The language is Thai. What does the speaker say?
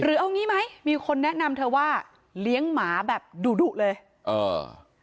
เอางี้ไหมมีคนแนะนำเธอว่าเลี้ยงหมาแบบดุดุเลยเออ